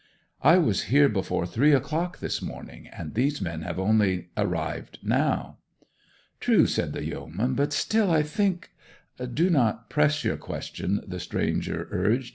'I was here before three o' the clock this morning; and these men have only arrived now.' 'True,' said the yeoman. 'But still, I think ' 'Do not press your question,' the stranger urged.